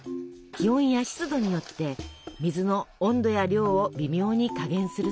気温や湿度によって水の温度や量を微妙に加減するそうです。